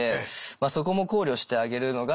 そこも考慮してあげるのがやっぱり。